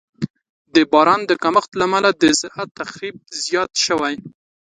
د باران د کمښت له امله د زراعت تخریب زیات شوی.